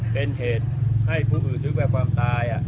เป็นเหตุให้ผู้อื่นถึงแก่ความตาย